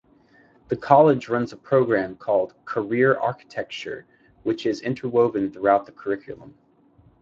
The College runs a program called "Career Architecture", which is interwoven throughout the curriculum.